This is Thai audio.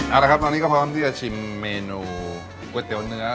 เอาละครับตอนนี้ก็พร้อมที่จะชิมเมนูก๋วยเตี๋ยวเนื้อ